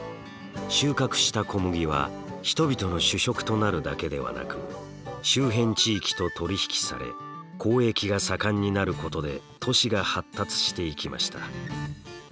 収穫した小麦は人々の主食となるだけではなく周辺地域と取り引きされ交易が盛んになることで都市が発達していきました。